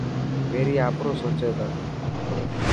پيري آپرو سوچي تا.